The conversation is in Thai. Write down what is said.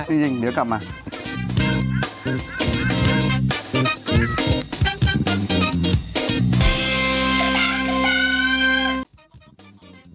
อ๋อสุดยิ่งเดี๋ยวกลับมานะฮะ